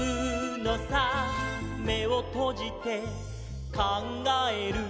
「めをとじてかんがえる」